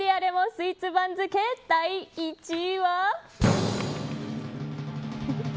スイーツ番付第１位は。